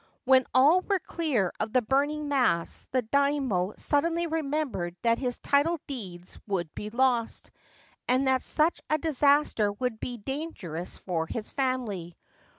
When all were clear of the burning mass the Daimio suddenly remembered that his title deeds would be lost, and that such a disaster would be dangerous for his family.